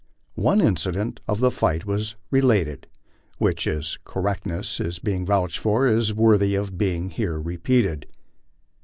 One incident of the fight was related, which, i s cor rectness being vouched for, is worthy of being here repeated.